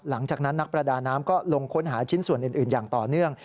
หลังจากนั้นนักประดาน้ำก็ลงค้นหาชิ้นส่วนอื่นอย่างต่อเนื่อง